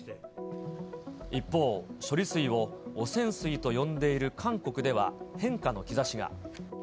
一方、処理水を汚染水と呼んでいる韓国では変化の兆しが。